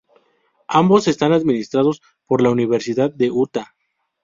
Ambos están administrados por la Universidad de Utah.